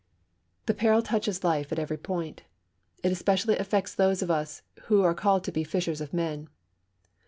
The peril touches life at every point. It especially affects those of us who are called to be fishers of men.